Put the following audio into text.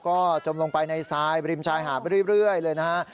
ก็จมลงไปในทรายบริมชายหาดไปเรื่อยเลยนะฮะ